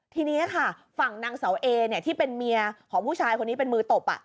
ทีนี้ค่ะฝั่งนางเสาเอที่เป็นเมียของผู้ชายคนนี้เป็นมือตบ